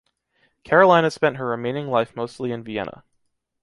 Carolina spent her remaining life mostly in Viena.